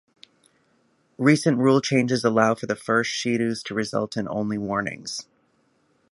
Recent rule changes allow for the first shidos to result in only warnings.